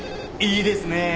いいですね。